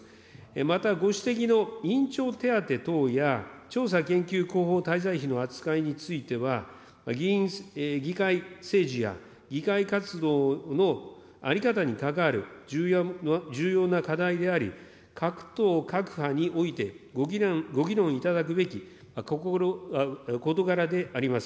またご指摘の委員長手当等や調査研究広報滞在費の扱いについては、ぎいん、議会政治や、議会活動の在り方に関わる重要な課題であり、各党、各派においてご議論いただくべき事柄であります。